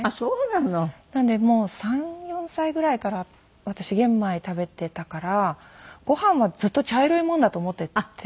なのでもう３４歳ぐらいから私玄米食べていたからご飯はずっと茶色いもんだと思っていて。